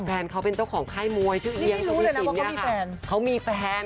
แฟนเค้าเป็นเจ้าของค่ายมวยชื่อเอียงพี่สินนี่ไม่รู้เลยนะว่าเค้ามีแฟน